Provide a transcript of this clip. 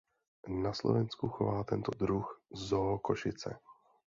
Na Slovensku chová tento druh Zoo Košice.